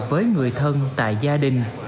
với người thân tại gia đình